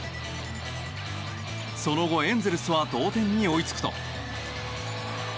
その後、エンゼルスは同点に追いつくと。